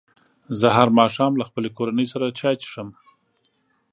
زه هر ماښام له خپلې کورنۍ سره چای څښم.